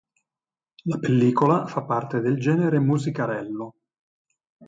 La pellicola fa parte del genere musicarello.